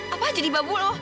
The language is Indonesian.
apa jadi babu lo